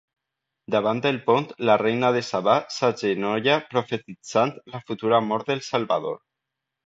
Davant del pont, la Reina de Sabà s'agenolla profetitzant la futura mort del Salvador.